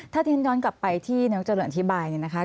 ถ้าทิ้งย้อนกลับไปที่นายกจริงอธิบายเนี่ยนะคะ